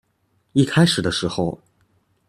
一開始的時候